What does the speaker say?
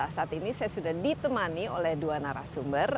saat ini saya sudah ditemani oleh dua narasumber